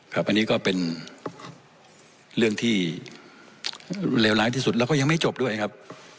ครับอันนี้ก็เป็นเรื่องที่เลวร้ายที่สุดแล้วก็ยังไม่จบด้วยครับ